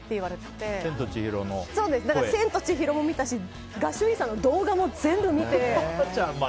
「千と千尋の神隠し」も見たし我修院さんの動画も全部見て。